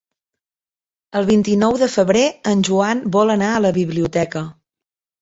El vint-i-nou de febrer en Joan vol anar a la biblioteca.